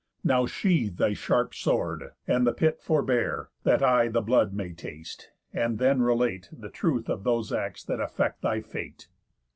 Now sheathe thy sharp sword, and the pit forbear, That I the blood may taste, and then relate The truth of those acts that affect thy fate.